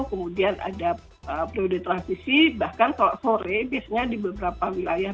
kemudian ada periode transisi bahkan kalau sore biasanya di beberapa wilayah